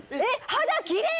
肌きれい！